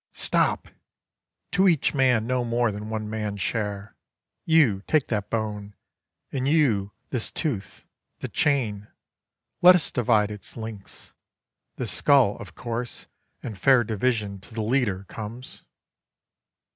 Stop! to each man no more than one man's share. You take that bone, and you this tooth; the chain Let us divide its links; this skull, of course, In fair division, to the leader comes.